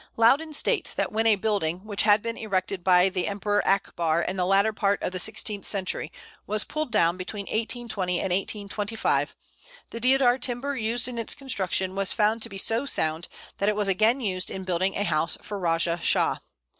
Loudon states that when a building, which had been erected by the Emperor Akbar in the latter part of the sixteenth century, was pulled down between 1820 and 1825, the Deodar timber used in its construction was found to be so sound that it was again used in building a house for Rajah Shah.